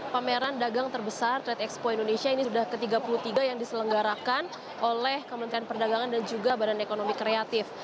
pameran dagang terbesar trade expo indonesia ini sudah ke tiga puluh tiga yang diselenggarakan oleh kementerian perdagangan dan juga badan ekonomi kreatif